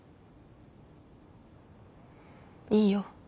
いいよ。